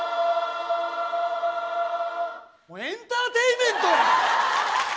もうエンターテインメントやん！